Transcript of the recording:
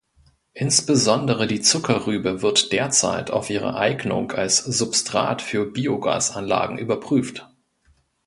Insbesondere die Zuckerrübe wird derzeit auf ihre Eignung als Substrat für Biogasanlagen überprüft.